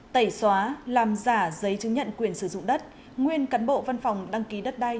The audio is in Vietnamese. tẩy xóa làm giả giấy chứng nhận quyền sử dụng đất nguyên cán bộ văn phòng đăng ký đất đai